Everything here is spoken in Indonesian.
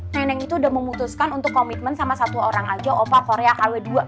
neneng itu udah memutuskan untuk komitmen sama satu orang aja opa korea kw dua